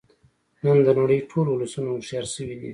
نن د نړۍ ټول ولسونه هوښیار شوی دی